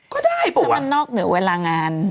ก็ได้ป่ะว่ะทั้งมันนอกเหนือเวลางาน